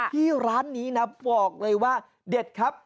ที่ร้านนี้นะบอกเลยว่าเด็ดครับ